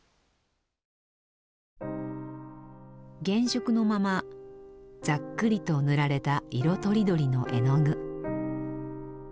原色のままざっくりと塗られた色とりどりの絵の具。